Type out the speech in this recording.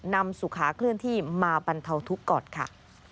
สุขาเคลื่อนที่มาบรรเทาทุกข์ก่อนค่ะ